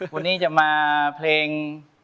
วันนี้จะมาเพลง